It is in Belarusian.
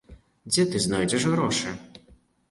Дзе ты знойдзеш грошы?!?